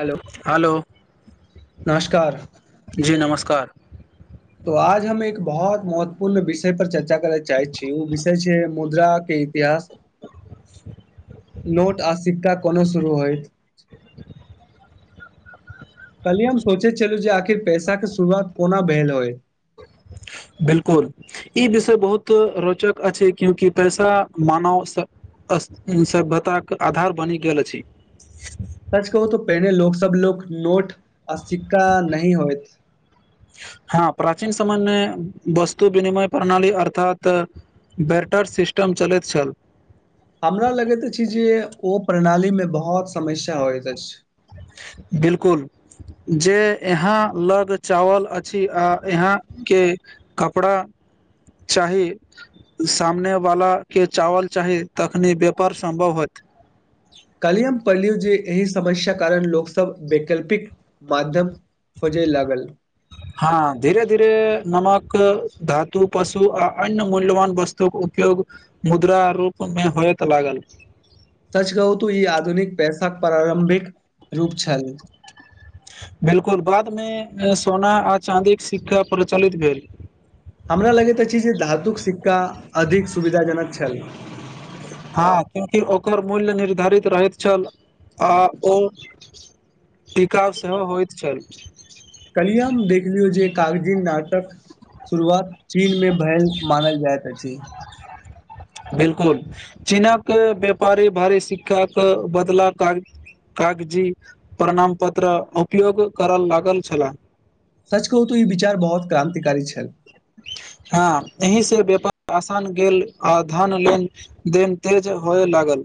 hello hello नमस्कार तऽ आज हम एक बहुत महत्वपूर्ण पूर्ण विषय पर चर्चा करय चाहै छी ओ विषय छै मुद्रा के इतिहास नोट आ सिक्का कोना शुरू होयत कहलिय हम सोचे छलहुँ जे आखिर पैसा के शुरुआत कोना भेल होय बिलकुल ई विषय बहुत रोचक अछि क्यूंकि पैसा मानव सभ्यताक आधार बनि गेल अछि सच कहू तो पहिने लोक सब लोक नोट आ सिक्का नही होइत हँ प्राचीन समायमे वस्तु विनिमय प्रणाली अर्थात बेटर सिस्टम चलैत छल हमरा लगैत अछि जे ओ प्रणाली मे बहुत समस्या होइत अछि बिल्कुल जे यहाँ लग चावल अछि आ यहाँ के कपड़ा चाही सामनेवाला के चावल चाही तखन व्यापार सम्भव होयत कल्हि हम पढ़लियो जे एहि समस्या कारण लोक सब वैकल्पिक माध्यम खोजे लागल हँ धीरे धीरे नमक धातु पशु आ अन्य मूल्यवान वस्तुक उपयोग मुद्रा रूप मे होयत लागल सच कहू तू ई आधुनिक पैसाक प्रारम्भिक रूप छल बिल्कुल बाद मे सोना आ चाँदीक सिक्का प्रचलित भेल हमरा लगैत अछि जे धातुक सिक्का अधिक सुविधाजनक छल हँ क्यूकि ओकर मूल्य निर्धारित रहैत छल आ ओ टिकाउ सेहो होयत छल कल्हि मे देखलियो जे कागजी नाटक शुरुआत चीन मे भेल मानल जाएत छी [unintelligible] बिल्कुल चीनक व्यापारी भारी सिक्काके बदला क कागजी प्रणामपत्र उपयोग करय लागल छलाह सच कहू तऽ ई विचार बहुत क्रान्तिकारी छल हँ एहि से व्यापार आसान गेल आ धान लेन देन तेज होये लागल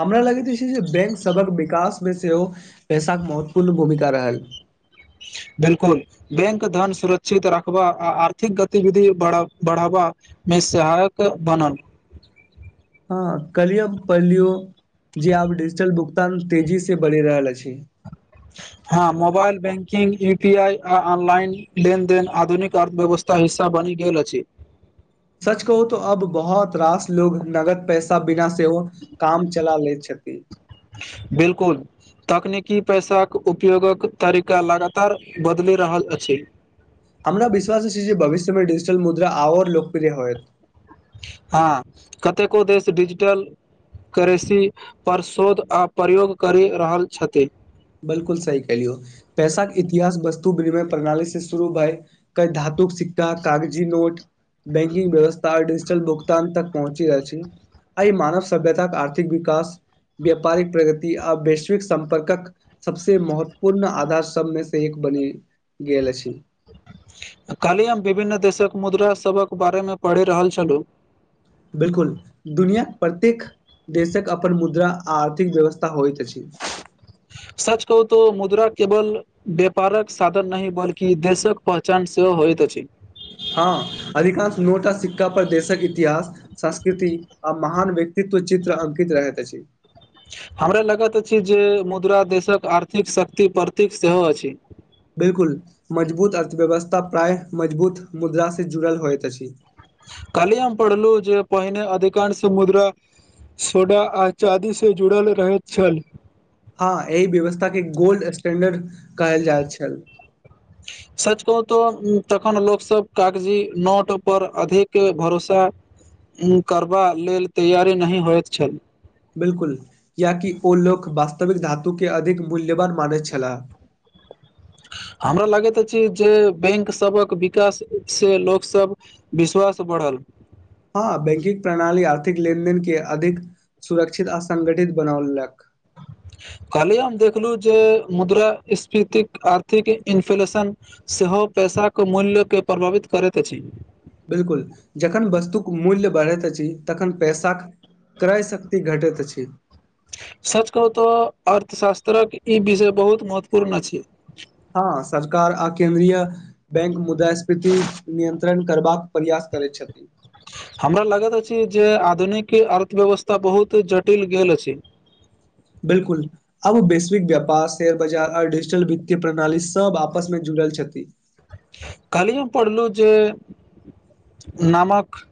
हमरा लगैत अछि छै जे बेंक सभक विकास मे सेहो पैसाके महत्वपूर्ण भूमिका रहल बिल्कुल बेंक धन सुरक्षित रखबा आ आर्थिक गतिविधि बढ़ावा मे सहायक बनल हँ कल्हि हम पढ़लियो जे आब डिजिटल भुगतान तेजी से बढ़ि रहल अछि हँ mobile banking E P I आ आनलाइन लेनदेन आधुनिक अर्थव्यवस्था हिस्सा बनि गेल अछि सच कहू त अब बहुत रास लोग नगद पैसे सब बिना सेहो काम चला लैत छथि बिल्कुल तकनीकी पैसाक उपयोगक तरीका लगातार बदलि रहल अछि हमरा विश्वास अ छी जे भविष्यमे डिजिटल मुद्रा आओर ल लोकोप्रिय होयत हँ कतेको देश डिजिटल क्रेसि पर शोध आ प्रयोग करि रहल छथि बिल्कुल सही क लियौ पैसाक इतिहास वस्तु विनिमय प्रणाली से शुरू भय कइ धातुक सिक्का कागजी नोट बैंकिंग व्यवस्था डिजिटल भुगतान तक पहुँची रहल अछि आइ मानव सभ्यता आर्थिक विकास व्यापारिक प्रगति आ वैश्विक सम्पर्कक सबसे महत्वपूर्ण आधार सभमे से एक बनि गेल अछि काल्हि हम विभिन्न देशक मुद्रा सबक बारेमे पढ़ि रहल छलहुँ बिल्कुल दुनियाक प्रत्येक देशक अपन मुद्रा आ आर्थिक व्यवस्था होयत अछि सच कहू तो मुद्रा केवल बेपारक साधन नहि बल्कि देशक पहचान सेहो होइत अछि हँ अधिकांश नोटा सिक्का पर देशक इतिहास संस्कृति आ महान व्यक्तित्व चित्र अंकित रहैत अछि हमरा लगत अछि जे मुद्रा देशक आर्थिक शक्ति परतिक सेहो अछि बिल्कुल मजबूत अर्थव्यवस्था प्रायः मजबूत मुद्रा से जुड़ल होइत अछि काली हम पढ़लु जे पहिने अधिकांश मुद्रा सोडा आ चादीस जुड़ल रहैत छल हँ एहि व्यवस्था के गोल्ड स्टैंडर्ड कहल जाइत छल सच कहू तो तखन लोकसब कागजी नोट पर अधिक भरोसा करबा लेल तैयरी नहि होइत छल बिल्कुल कियाकी ओ लोक वास्तविक धातुके अधिक मूल्यवान मानैत छलाह हमरा लागैत अछि जे बैंक सभक विकास से लोकसभ विश्वास बढ़ल हँ बैंकिंग प्रणाली आर्थिक लेनदेन के अधिक सुरक्षित आ संगठित बनौलक कलियै हम देखलु जे मुद्रा सफीतिक आर्थिक इन्फ्लेशन सेहो पैसाक मूल्यके प्रभावित करैत अछि बिल्कुल जखन वस्तुक मूल्य बढ़ैत अछि तखन पैसाक क्राय शक्ति घटैत अछि सच कहू त अर्थशास्त्रक ई बिषय बहुत महत्वपूर्ण अछि हँ सरकार आ केन्द्रीय बैंक मुदा स्फीति नियंत्रण करबाक प्रयास करै छथि हमरा लगत अछि जे आधुनिक अर्थव्यवस्था बहुत जटिल गेल अछि बिल्कुल आब वैश्विक व्यापार शेयर बाजार आर डिजिटल वित्तय प्रणाली सब आपस मे जुड़ल छथि काली हम पढ़लहुँ जे नामक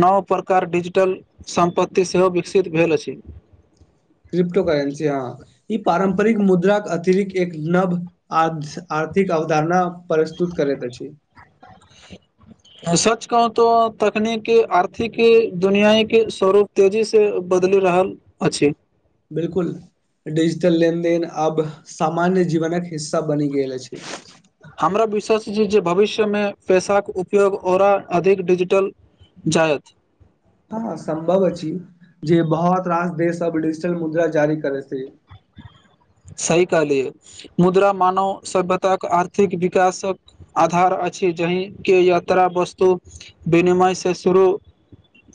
नव प्रकार डिजिटल सम्पत्ति सेहो विकसित भेल अछि क्रिप्टो करेंसी हँ ई पारम्परिक मुद्राक के अतिरिक्त एक नव आ आर्थिक अवधारणा परस्तुत करैत अछि सच कहू तो तकनीक आर्थिक दुनियाई के स्वरूप तेजी से बदलि रहल अछि बिल्कुल डिजिटल लेनदेन आब सामान्य जीवनक हिस्सा बनि गेल अछि हमरा विश्वास छी जे भविष्यमे पैसाक उपयोग औरा अधिक डिजिटल जायत हँ सम्भव अछि जे बहुत रास देश सब डिजिटल मुद्रा जारी करे से सही कहलि मुद्रा मानव सभ्यताक आर्थिक विकासक आधार अछि जंहिके यात्रा बस्तु विनिमय से शुरू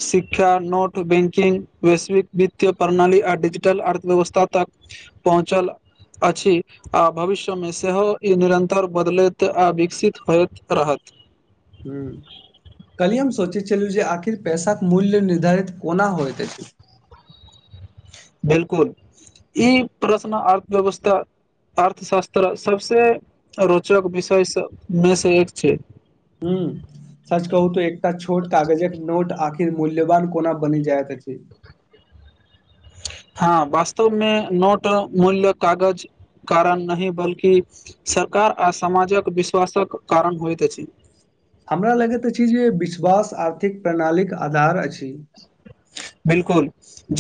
शिक्षा नोट बैंकिंग वैश्विक वित्तय प्रणाली आ डिजिटल अर्थव्यवस्था तक चल अछि आ भविष्यमे सेहो ई निरन्तर बदलैत आ विकसित होइत रहत ह्म कलि हम सोचे चलू जे आखिर पैसाक मूल्य निर्धारित कोना होइत अछि बिल्कुल ई प्रश्न अर्थव्यवस्था अर्थशास्त्र सबसे रोचक बिषयस मे से एक छै ह्म सच कहू तो एकटा छोट कागजक नोट आखिर मूल्यवान कोना बनि जायत अछि हँ बास्तवमे नोट मूल्य कागज कारण नहि बल्कि सरकार आ समाजक विश्वासक कारण होइत अछि हमरा लगैत चीज जे विश्वास आर्थिक प्रणालीक के आधार अछि [inaudible] बिलकुल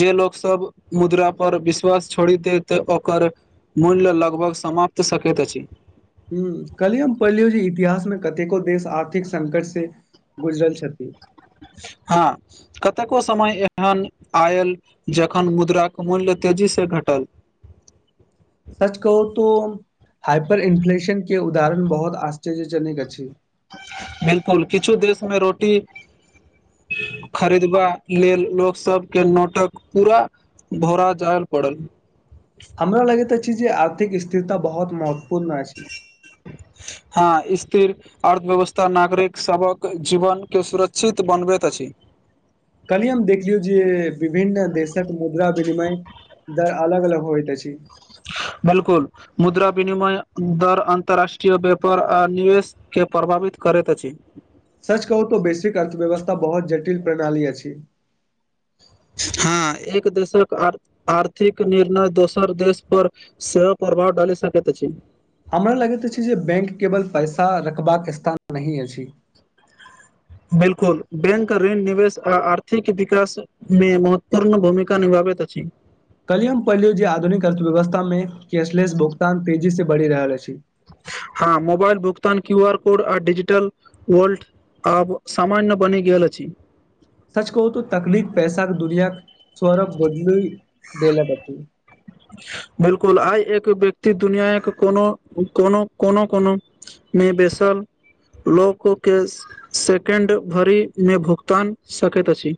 जे लोक सब मुद्रा पर विश्वास छोड़ दे ओकर मूल्य लगभग समाप्त सकैत अछि कहलियी हम पढ़लियौ जे इतिहासमे कतेको देश आर्थिक संकट से गुजरल छथि हँ कतेको समय एहन आयल जखन मुद्राक मूल्य तेजीसँ घटल सच कहू तो हाइपर इन्फ्लेशन के उदाहरण बहुत आश्चर्यजननक अछि बिलकुल किछु देशमें रोटी खरीदबा लेल लोकसभके नोटक पूरा भोरा जाय पड़ल हमरा लगैत अछि जे आर्थिक स्थिरता बहुत महत्वपूर्ण अछि हँ स्थिर अर्थव्यवस्था नागरिक सबक जीवन के सुरक्षित बनबैत अछि कहलिय हम देखलियौ जे विभिन्न देश क मुद्रा विनिमय जर अलग अलग होयत अछि बिल्कुल मुद्रा विनिमय दर अन्तरराष्ट्रीय व्यापार आ निवेश के प्रभावित करैत अछि सच कहू तो बेसिक अर्थव्यवस्था बहुत जटिल प्रणाली अछि हँ एक दोरक आर्थिक निर्णय दोसर देश पर सेहोह प्रभाव डाली सकैत अछि हमरा लगैत अछि जे बैंक केवल पैसा रखबाक स्थान नहि अछि बिलकुल बैंक ऋण निवेश आ आर्थिक विकास में महत्वपूर्ण भूमिका निभाबैत अछि कल्हि हम पढ़लियौ जे आधुनिक अर्थव्यवस्था में कैशलेस भुगतान तेजी से बढ़ि रहल अछि हँ मोबाइल भुगतान क्यू आर कोड आ डजिटल वल्ट आब सामान्य बनि गेल अछि सच कह त तकलिफ पैसाक दुनिया स्वरभ बदलू धेलक बिलकुल आइ एक व्यक्ति दुनिया एक कोनो कोनो कोनो कोना में बैसल लोकके सेकेण्ड भरि में भुगतान सकैत अछि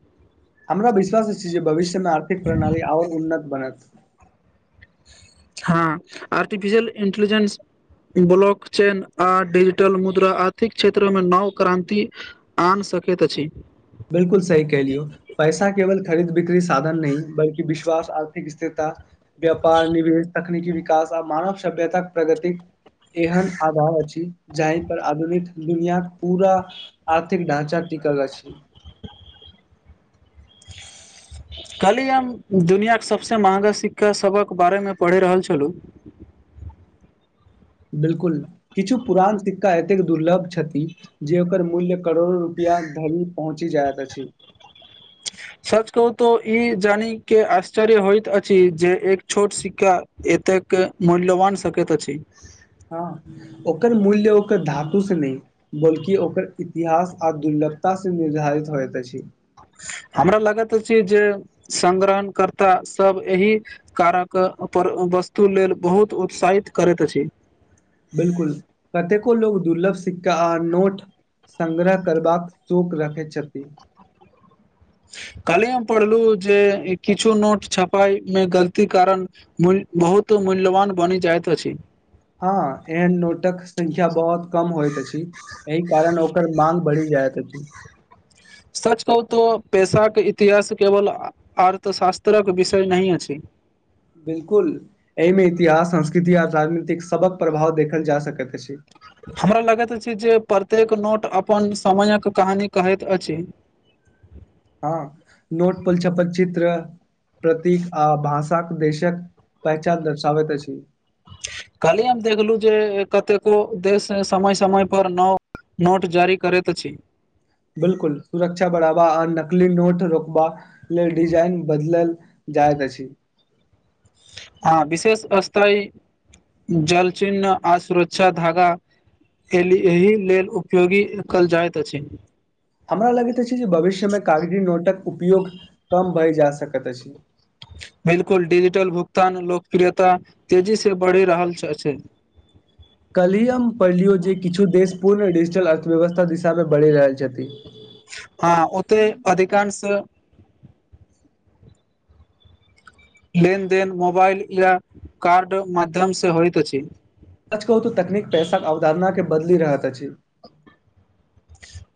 हमरा विश्वास छी जे भविष्यमे आर्थिक प्रणाली ओर उन्नत बनत हँ आर्टिफिशियल इन्टलिजेंस ब्लॉक चेन आ डिजिटल मुद्रा आर्थिक क्षेत्रमें नव क्रान्ति आन सकैत अछि बिलकल सही कहलियौ पैसा केवल खरीद बिक्री साधन नहि बलकि विश्वास आर्थिक स्थिरता व्यापार निवेश तकनीकी विकास आ मानव सभ्यता प्रगति एहन अभाव अछि जाहि पर आधुनिक दुनियाके पूरा आर्थिक ढ़ाँचा टिकल अछि कल्हि हम दुनिआके सभसँ महगा शिक्का सभक बारेमें पढ़ि रहल छलहुँ बिलकुल किछु पुरान सिक्का एतेक दुर्लभ छथिन जे ओकर मूल्य करोड़ो रुपैआ धरि पहुँचि जाइत अछि सच कहू त ई जानी के आश्चर्य होइतइत अछि जे एक छोट सिक्का एतेक मूल्यवान सकैत अछि हँ ओकर मूल्य ओकर धातुसँ नहि बल्कि ओकर इतिहास आ दुर्लभतास से निर्धारित होइत अछि हमरा लागैत छै जे संग्रहण कर्ता सब एहि कारक पर वस्तु लेल बहुत उत्साहित करैत अछि बिलकुल कतेको लोग दुर्लभ सिक्का आ नोट संग्रह करबाक शूक रखे छथि कल्हि हम पढ़लहुँ जे किछु नोट छपाय में गलती कारण बहुत मूल्यवान बनि जाइत अछि हँ एहन नोटक संख्या बहुत कम होयत अछि एहि कारण ओकर मागं बढ़ि जायत अछि सच कहू तऽ पेसाके इतिहास केवल अर्थशास्त्रक विषय नहि अछि बिल्कुल एहिमे इतिहास संस्कृति आर राजनीतिक सबक प्रभाव देखल जा सकैत अछि हमरा लगैत अछि जे प्रत्येक नोट अपन समयक कहानी कहैत अछि हँ नोटपल छपल चित्र प्रतीक आ भाषाक देशक पहचान दर्शाबैत अछि कल्हि हम देखलु जे कतेको देश समय समय पर न नोट जारी करैत छी बिल्कुल सुरक्षा बढ़ाबा आ नकलि नोट रोकबा लेल डिजाइन बदलल जायत अछि हँ विशेष स्तइ जल चिन्न आ सुरक्षा धागा एहि एहि लेल उपयोगी कयल जाइत अछि हमरा लगैत अछि जे भविष्य मे कारगरी नोटक उपयोग कम भय जा सकैत अछि बिल्कुल डिजिटल भुगतान लोकप्रियता तेजी से बढ़ि रहल अछि कल्हि हम पढ़ लियौ जे किछु देश पूर्ण डिजिटल अर्थव्यवस्था दिशामे बढ़ि रहल छथि हँ ओते अधिकांश लेनदेन मोबाइल या कार्ड माध्यमसँ होइत अछि सच कहू तऽ तकनीक पैसाक अवधारणाक के बदलि रहैत अछि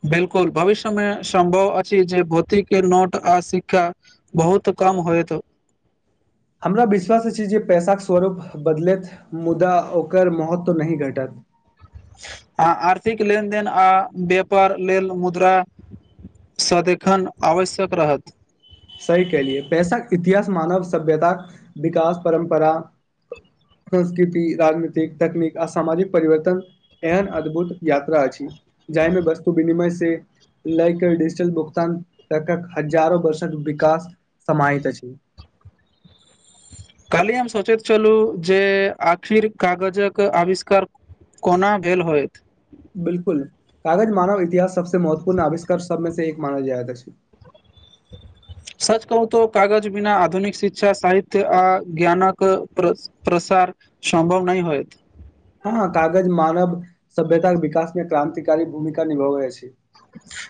बिल्कुल भविष्यमे सम्भव अछि जे भौतिक नोट आ सिक्का बहुत कम होयत हमरा विश्वास अछि जे पैसाक स्वरूप बदलथि मुदा ओकर महत्व नहि घटत अ आर्थिक लेनदेन आ व्यापार लेल मुद्रा सदिखन आवश्यक रहत सही केलिय पैसा इतिहास मानव सभ्यता विकास परम्परा संस्कृति राजनीतिक तकनीक आ सामाजिक परिवर्तन एहन अद्भुत यात्रा अछि जाहिमे वस्तु विनिमय से लय के डिजिटल भुगतानकक हजारो वर्षक विकास समाहित अछि काल्हि हम सोचैत छलू जे आखिर कागजक आविष्कार कोना भेल होयत बिल्कुल कागज मानव इतिहास सबसँ महत्वपूर्ण आविष्कार सबमे से एक मानल जाइत अछि [unintelligible] सच कहु तो कागज बिना आधुनिक शिक्षा साहित्य आ ज्ञानक प्रसार सम्भव नहि होयत हँ कागज मानव सभ्यता विकासमे क्रांतिकारी भूमिका निभाबै अछि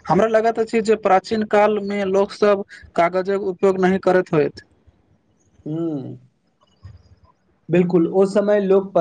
हमरा लागैत अछि जे प्राचीन कालमे लोकसभ कागजक उपयोग नहि करैत होयत ह बिल्कुल ओ समय लोक प